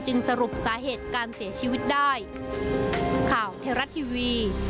สรุปสาเหตุการเสียชีวิตได้